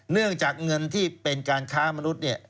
เนื่องจากเงินที่เป็นการค้ามนุษย์เนี่ย